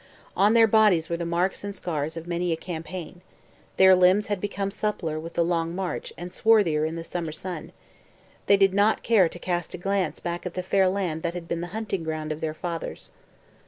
On their bodies were the marks and scars of many a campaign; their limbs had become suppler with the long march and swarthier in the summer sun; they did not dare to cast a glance back at the fair land that had been the hunting ground of their fathers.